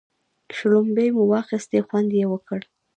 شلومبې مو واخيستې خوند یې وکړ.